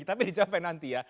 tapi dicampain nanti ya